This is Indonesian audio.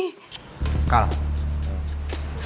kal sebetulnya gue juga kepikiran nih